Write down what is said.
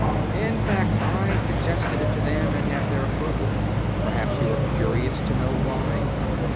"In fact, I suggested it to them and have their approval. Perhaps you are curious to know why?"